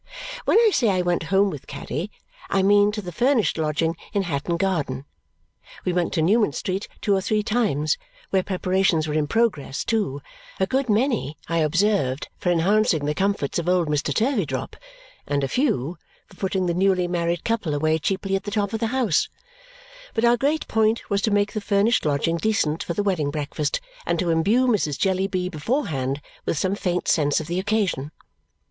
When I say I went home with Caddy, I mean to the furnished lodging in Hatton Garden. We went to Newman Street two or three times, where preparations were in progress too a good many, I observed, for enhancing the comforts of old Mr. Turveydrop, and a few for putting the newly married couple away cheaply at the top of the house but our great point was to make the furnished lodging decent for the wedding breakfast and to imbue Mrs. Jellyby beforehand with some faint sense of the occasion.